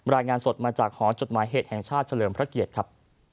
รายงานสดมาจากหอจดหมายเหตุแห่งชาติเฉลิมพระเกียรติครับ